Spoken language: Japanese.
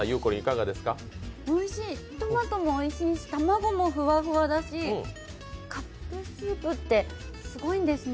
おいしい、トマトもおいしいし、卵もふわふわだし、カップスープってすごいんですね。